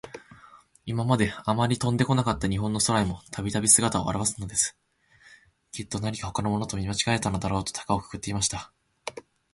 いままで、あまり飛んでこなかった日本の空へも、たびたび、すがたをあらわすのです。きっと、なにかほかのものと、見まちがえたのだろうと、たかをくくっていました。